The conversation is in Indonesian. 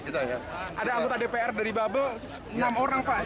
ada anggota dpr dari babel enam orang pak